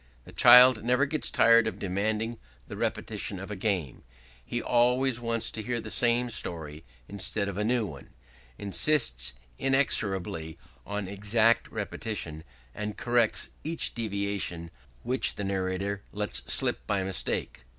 The child never gets tired of demanding the repetition of a game ... he wants always to hear the same story instead of a new one, insists inexorably on exact repetition, and corrects each deviation which the narrator lets slip by mistake....